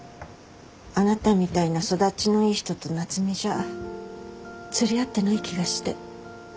あなたみたいな育ちのいい人と夏海じゃ釣り合ってない気がして。